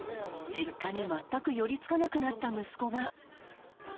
実家に全く寄りつかなくなった息子が。